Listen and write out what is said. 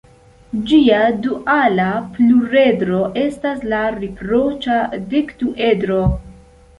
Ĝia duala pluredro estas la riproĉa dekduedro.